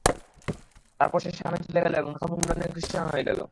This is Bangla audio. তারপর সে শামে চলে গেল এবং মাথা মুণ্ডিয়ে খৃষ্টান হয়ে গেল।